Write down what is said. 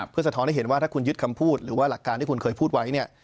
เพื่อสะท้อนให้เห็นว่าถ้าคุณยึดคำพูดหรือว่าหลักการที่คุณเคยพูดไว้เนี่ย